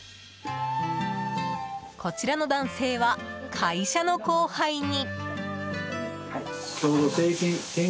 こちらの男性は会社の後輩に。